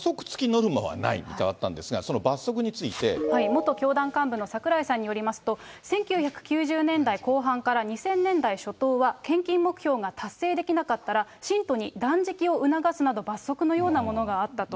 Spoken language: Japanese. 元教団幹部の櫻井さんによりますと、１９９０年代後半から２０００年代初頭は、献金目標が達成できなかったら、信徒に断食を促すなど、現在は。